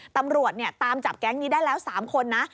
ตำรวจตามจับแก๊งนี้ได้แล้ว๓คนนะ